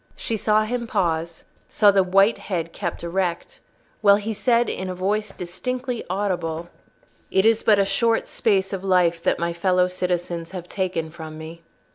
She saw him pause, saw the white head kept erect, while he said, in a voice distinctly audible— "It is but a short space of life that my fellow citizens have taken from me."